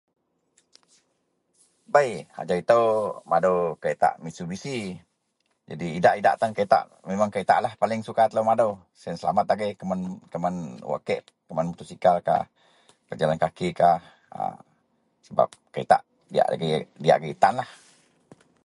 Bei ajau itou madou keritak Mitsubishi. Jadi idak-idak tan keritak, memang keritaklah paling suka telou madou. Siyen selamet agei keman, keman wak kek, keman mutusikalkah, pejalan kakikah a sebab keritak diyak agei, diyak agei tanlah.